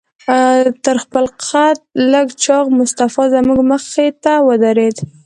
تر خپل قد لږ چاغ مصطفی زموږ مخې ته ودرېد.